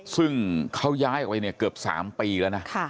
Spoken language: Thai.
ซึ่งเขาย้ายออกไปเนี่ยเกือบ๓ปีแล้วนะ